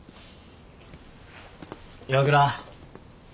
岩倉。